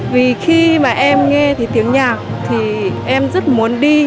vì khi mà em nghe tiếng nhạc thì em rất muốn đi